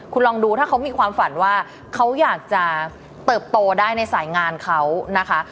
คุณลองดูถ้าเขามีความฝันว่าเขาอยากจะเติบโตได้ในสายงานเขานะคะ